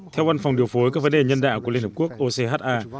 theo bàn phòng điều phối các vấn đề nhân đạo của liên hợp quốc ochr